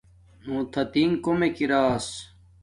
نو تھاتینگ کومک اراچھس